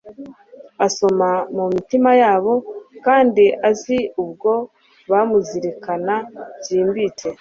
Asoma mu mitima yabo, kandi azi ubwyo bamuzirikana byimbitse.